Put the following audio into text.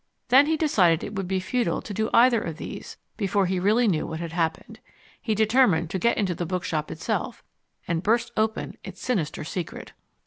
Then he decided it would be futile to do either of these before he really knew what had happened. He determined to get into the bookshop itself, and burst open its sinister secret.